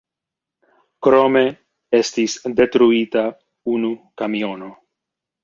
Krome estis detruita unu kamiono.